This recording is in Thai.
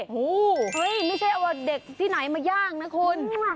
โอ้โหไม่ใช่เอาเด็กที่ไหนมาย่างนะคุณ